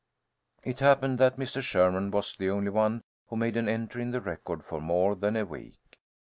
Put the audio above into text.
It happened that Mr. Sherman was the only one who made an entry in the record for more than a week.